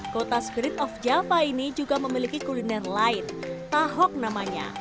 kota spirit of java ini juga memiliki kuliner lain tahok namanya